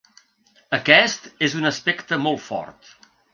Aquest és un aspecte molt fort.